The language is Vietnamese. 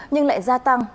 nhưng lại gia tăng